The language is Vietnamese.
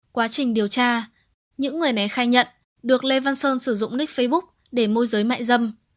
quá trình điều tra những người này khai nhận được lê văn sơn sử dụng nick facebook để môi giới mại dâm